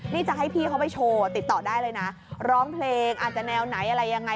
นี่จะให้พี่เขาไปโชว์ติดต่อได้เลยนะร้องเพลงอาจจะแนวไหนอะไรยังไง